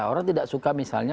orang tidak suka misalnya